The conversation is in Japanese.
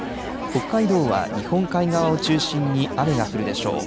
北海道は日本海側を中心に雨が降るでしょう。